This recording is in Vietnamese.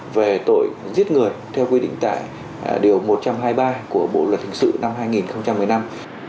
về tội giết người theo quy định tại điều một trăm hai mươi ba của bộ luật hình sự năm hai nghìn một mươi năm